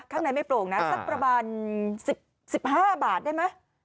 ข้างในไม่โปร่งนะสักประมาณ๑๕บาทได้ไหม